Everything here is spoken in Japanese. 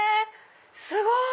すごい！